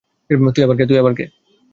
তুই আবার কে?